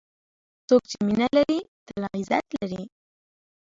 څوک چې مینه لري، تل عزت لري.